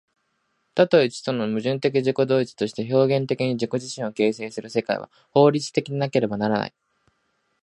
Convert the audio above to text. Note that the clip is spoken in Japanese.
多と一との矛盾的自己同一として表現的に自己自身を形成する世界は、法律的でなければならない。